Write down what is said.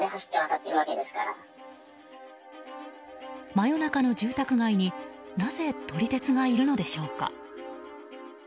真夜中の住宅街になぜ撮り鉄がいるのでしょうか。